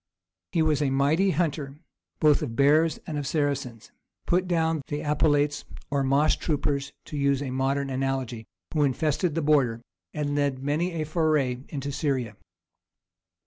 He was a mighty hunter, both of bears and of Saracens, put down the Apelates (or moss troopers, to use a modern analogy) who infested the border, and led many a foray into Syria.